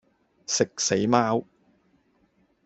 食死貓